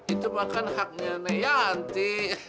itu mah kan haknya neyanti